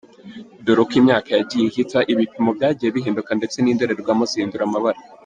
Dore uko imyaka yagiye ihita, ibipimo byagiye bihinduka ndetse n’indorerwamo zihindura amabara.